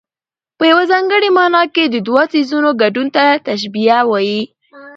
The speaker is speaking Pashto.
په یوه ځانګړې مانا کې د دوو څيزونو ګډون ته تشبېه وايي.